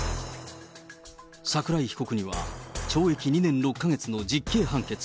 桜井被告には懲役２年６か月の実刑判決。